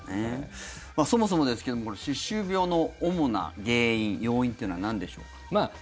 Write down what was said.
そもそもですけども歯周病の主な原因、要因というのはなんでしょうか？